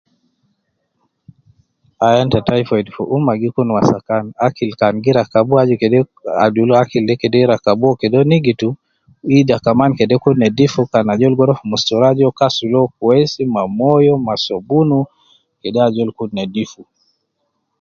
Ayan ta typhoid fi umma gi kun wasakan. Akil kan gi rakabu kede nigitu. Ida kaman kede kun nedif. Kan ajol gu ruwa fi mustura, aju kede uwo kasulu uwo kwesi ma moyo, ma sobun, kede azol kun nedif.